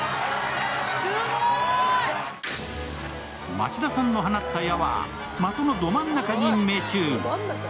町田さんの放った矢は的のど真ん中に命中。